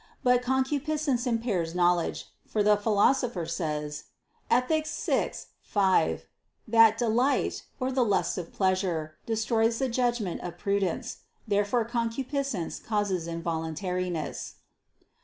But concupiscence impairs knowledge; for the Philosopher says (Ethic. vi, 5) that "delight," or the lust of pleasure, "destroys the judgment of prudence." Therefore concupiscence causes involuntariness.